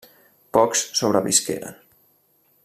Pocs sobrevisqueren.